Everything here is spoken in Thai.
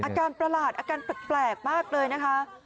ประหลาดอาการแปลกมากเลยนะคะ